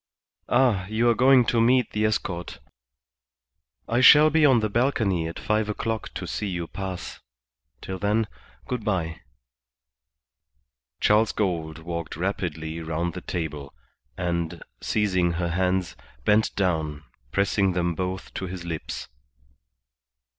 "Ah, you are going to meet the escort. I shall be on the balcony at five o'clock to see you pass. Till then, good bye." Charles Gould walked rapidly round the table, and, seizing her hands, bent down, pressing them both to his lips.